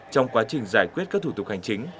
trong quá trình giải quyết các thủ tục hành chính